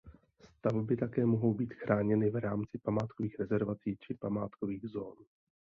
Stavby také mohou být chráněny v rámci památkových rezervací či památkových zón.